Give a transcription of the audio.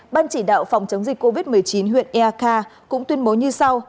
ban chỉ đạo phòng chống dịch covid một mươi chín huyện ea kha cũng tuyên bố như sau